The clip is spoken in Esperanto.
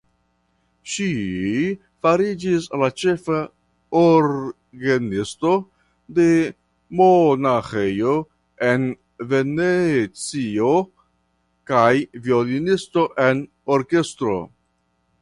Ŝi fariĝis la ĉefa orgenisto de Monaĥejo en Venecio kaj violonisto en orkestro.